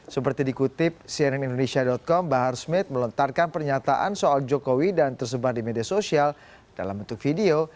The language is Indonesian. seperti dikutip cnn indonesia com bahar smith melontarkan pernyataan soal jokowi dan tersebar di media sosial dalam bentuk video